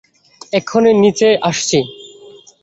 এক্ষুনি নিচে আসছি!